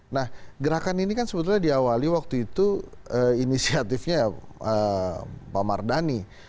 nah gerakan ini kan sebetulnya diawali waktu itu inisiatifnya pak mardhani